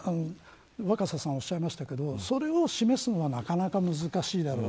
若狭さん、おっしゃいましたけどそれを示すのはなかなか難しいだろう。